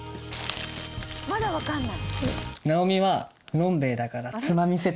まだわかんない。